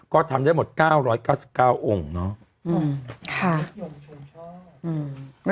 ก็ทำได้หมด๙๙๙องค์เนาะ